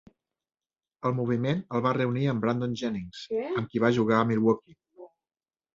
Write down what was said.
El moviment el va reunir amb Brandon Jennings, amb qui va jugar a Milwaukee.